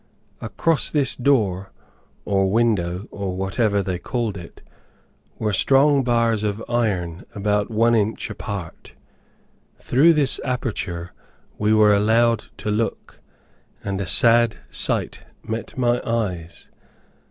Across this door, or window or whatever they called it, were strong bars of iron about one inch apart. Through this aperture we were allowed to look, and a sad sight met my eyes.